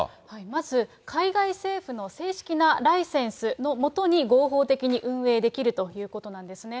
まず海外政府の正式なライセンスの下に、合法的に運営できるということなんですね。